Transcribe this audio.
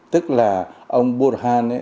tức là ông burhan